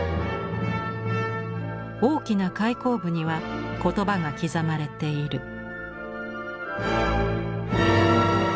大きな開口部には言葉が刻まれている。